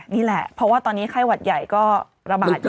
นี่แหละเพราะว่าตอนนี้ไข้หวัดใหญ่ก็ระบาดอยู่